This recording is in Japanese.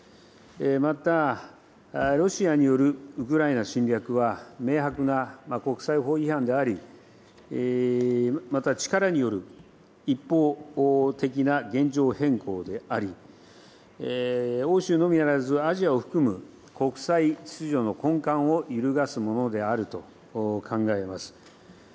また、ロシアによるウクライナ侵略は、明白な国際法違反であり、また力による一方的な現状変更であり、欧州のみならずアジアを含む国際秩序の根幹を揺るがすものであると考えます。